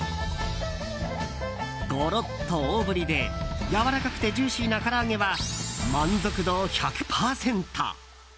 ゴロッと大ぶりでやわらかくてジューシーな唐揚げは、満足度１００％。